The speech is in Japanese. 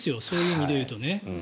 そういう意味で言うとね。